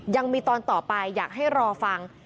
ยังมีตอนต่อไปอยากให้รอฟัง